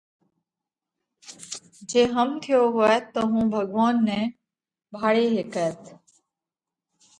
جي هم ٿيو هوئت تو هُون ڀڳوونَ نئہ ڀاۯي هيڪئت